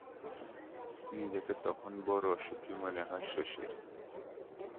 নিজেকে তখন বড় অসুখী মনে হয় শশীর।